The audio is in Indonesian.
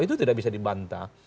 itu tidak bisa dibantah